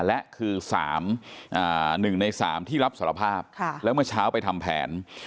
และคือ๓๑ใน๓ที่รับสารภาพแล้วเมื่อเช้าไปทำแผน